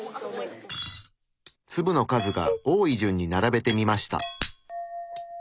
粒の数が多い順に並べてみました。